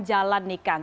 jalan nih kang